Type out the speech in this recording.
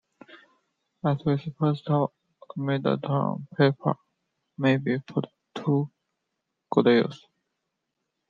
As with pastel, a mid-toned paper may be put to good use.